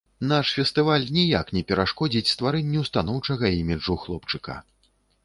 Наш фестываль ніяк не перашкодзіць стварэнню станоўчага іміджу хлопчыка.